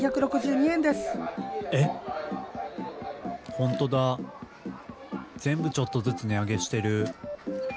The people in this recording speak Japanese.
本当だ全部ちょっとずつ値上げしてる。